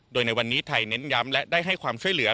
โดยในวันนี้ไทยเน้นย้ำและได้ให้ความช่วยเหลือ